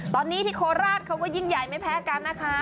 ตอนนี้ที่โคราชเขาก็ยิ่งใหญ่ไม่แพ้กันนะคะ